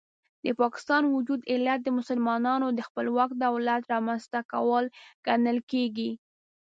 د پاکستان وجود علت د مسلمانانو د خپلواک دولت رامنځته کول ګڼل کېږي.